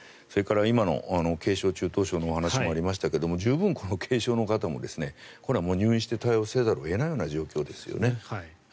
それから今の軽症・中等症のお話もありましたけど十分、軽症の方も入院して対応せざるを得ないような状況ですよね。